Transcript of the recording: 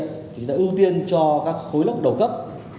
thì chúng ta ưu tiên cho các khối lớp đầu cấp